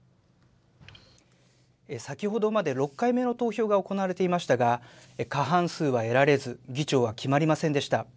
先ほどまで６回目の投票が行われていましたが、過半数は得られず、議長は決まりませんでした。